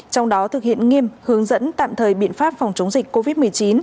trong đó thực hiện nghiêm hướng dẫn tạm thời biện pháp phòng chống dịch covid một mươi chín